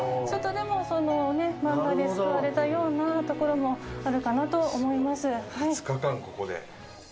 ちょっとでも漫画で救われたようなところもあるかなと思います。